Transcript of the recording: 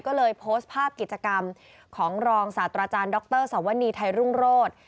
ก็เลยโพสต์ภาพกิจกรรมของรองศาสตราจารย์ดรสวนีไทยรุ่งโรธ